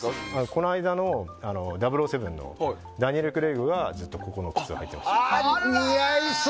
この間の、「００７」のダニエル・クレイグがずっとここの靴履いてました。